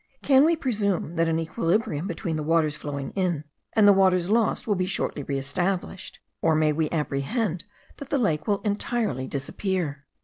Can we presume that an equilibrium between the waters flowing in and the waters lost will be shortly re established, or may we apprehend that the lake will entirely disappear?